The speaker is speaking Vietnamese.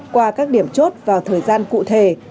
qua các điểm chốt vào thời gian cụ thể